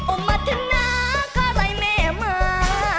โอ้มัธนากลายแม่มา